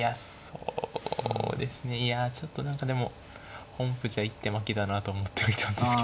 そうですねいやちょっと何かでも本譜じゃ一手負けだなと思ってはいたんですけど。